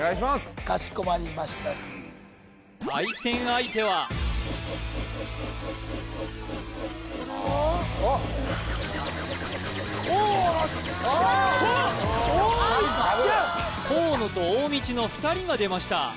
かしこまりました対戦相手は河野ちゃんわと大道ちゃん河野と大道の２人が出ました